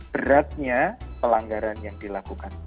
beratnya pelanggaran yang dilakukan